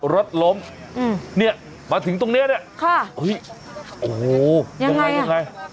รัดล้มอืมเนี่ยมาถึงตรงเนี้ยเนี่ยค่ะอุ้ยโอ้โหยังไงยังไง